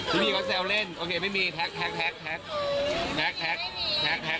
พี่พี่ก็แซวเล่นโอเคไม่มีแท็กแท็กแท็กแท็กแท็กแท็กแท็กแท็ก